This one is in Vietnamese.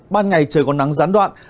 ban ngày trời còn nắng gián đoạn